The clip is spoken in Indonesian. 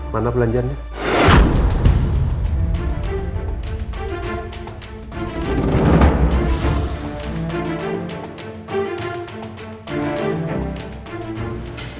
mana belanjaan nya